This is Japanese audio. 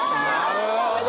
なるほど。